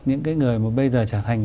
những cái người mà bây giờ trở thành